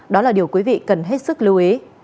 đó là điều quý vị cần hết sức lưu ý